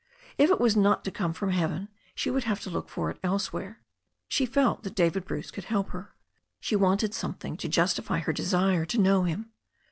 If It was not to come from heaven, she would have to look for it elsewhere. She felt that David Bruce could help her. She wanted something to justify her desire to know him.